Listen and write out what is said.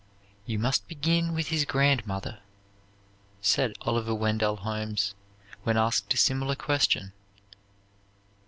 "You must begin with his grandmother," said Oliver Wendell Holmes, when asked a similar question.